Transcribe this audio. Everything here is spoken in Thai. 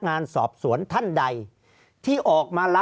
ภารกิจสรรค์ภารกิจสรรค์